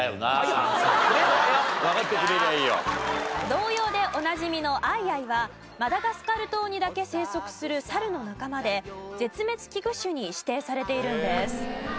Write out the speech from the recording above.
童謡でおなじみのアイアイはマダガスカル島にだけ生息するサルの仲間で絶滅危惧種に指定されているんです。